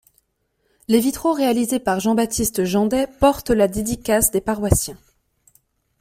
Les vitraux réalisés par Jean-Baptiste Jandet portent la dédicace des paroissiens.